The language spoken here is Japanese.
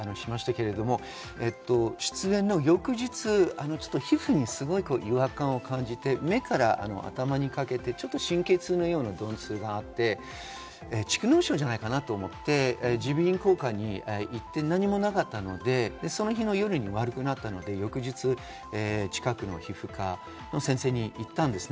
出演の翌日、ちょっと皮膚にすごい違和感を感じて、目から頭にかけて神経痛のような鈍痛があって蓄膿症じゃないかなと思って、耳鼻咽喉科に行って、何もなかったので、その日の夜に悪くなったので翌日、近くの皮膚科の先生にいったんです。